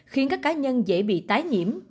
khiến các cá nhân dễ bị tái nhiễm